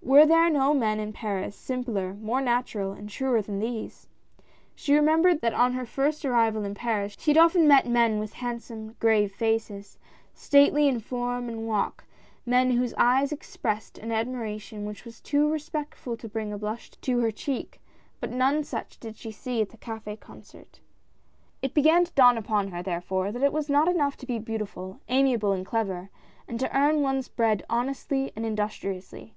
Were there no men in Paris, simpler, more natural, and truer than these? She remembered that on hei first arrival in Paris she had often met men with hand some, grave faces, stately in form and walk — men whose eyes expressed an admiration which was too respectful to bring a blush to her cheek — but none such did she see at the Cafd Concert. It began to dawn upon her, therefore, that it was not enough to be beautiful, amiable and clever, and to earn ones' bread honestly and industriously.